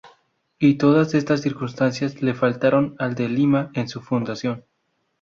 Y todas estas circunstancias le faltaron al de Lima en su fundación.